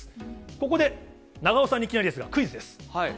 ここで長尾さんに、いきなりですがクイズです。